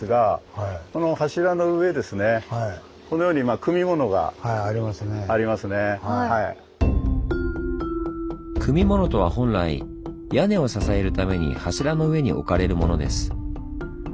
「組物」とは本来屋根を支えるために柱の上に置かれるものです。